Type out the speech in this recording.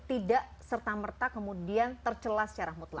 tidak serta merta kemudian tercelah secara mutlak